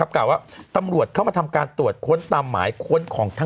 เขาเข้ามาทำการตรวจตามหมายข้นของ